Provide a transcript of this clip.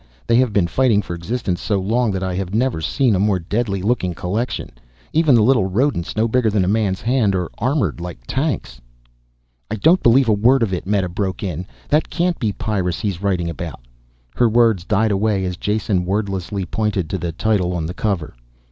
They have been fighting for existence so long that I have never seen a more deadly looking collection. Even the little rodents no bigger than a man's hand are armored like tanks ..._ "I don't believe a word of it," Meta broke in. "That can't be Pyrrus he's writing about ..." Her words died away as Jason wordlessly pointed to the title on the cover.